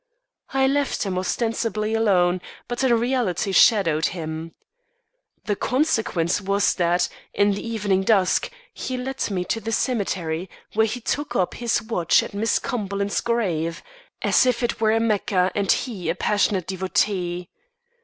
I left him ostensibly alone, but in reality shadowed him. The consequence was that, in the evening dusk, he led me to the cemetery, where he took up his watch at Miss Cumberland's grave, as if it were a Mecca and he a passionate devotee.